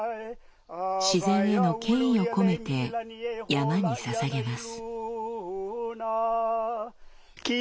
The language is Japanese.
自然への敬意を込めて山に捧げます。